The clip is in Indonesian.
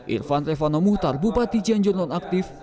irfan revano muhtar bupati cianjur non aktif